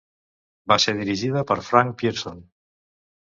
Va ser dirigida per Frank Pierson.